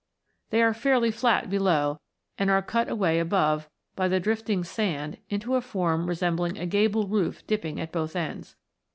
They are fairly flat below, and are cut away above by the drifting sand into a form resembling a gable roof dipping at both ends.